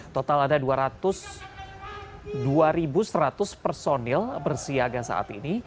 total ada dua seratus personil bersiaga saat ini